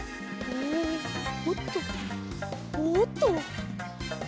おっとおっと。